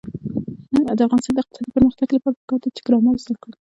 د افغانستان د اقتصادي پرمختګ لپاره پکار ده چې ګرامر زده کړو.